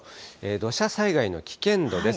土砂災害の危険度です。